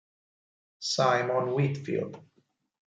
Simon Whitfield